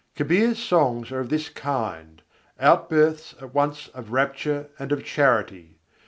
Kabîr's songs are of this kind: out births at once of rapture and of charity.